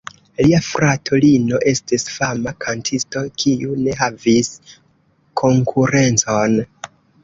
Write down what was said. Lia frato Lino estis fama kantisto, kiu ne havis konkurencon.